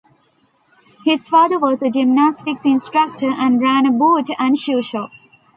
His father was a gymnastics instructor and ran a boot and shoe shop.